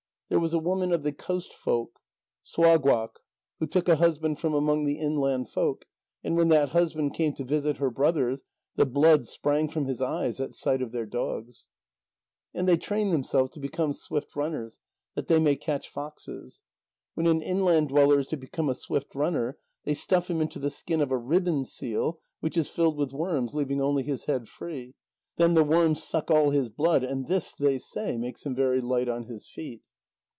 There was a woman of the coast folk, Suagaq, who took a husband from among the inland folk, and when that husband came to visit her brothers, the blood sprang from his eyes at sight of their dogs. And they train themselves to become swift runners, that they may catch foxes. When an inland dweller is to become a swift runner, they stuff him into the skin of a ribbon seal, which is filled with worms, leaving only his head free. Then the worms suck all his blood, and this, they say, makes him very light on his feet.